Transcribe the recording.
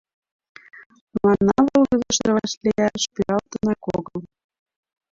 — Мыланна волгыдышто вашлияш пӱралтынак огыл.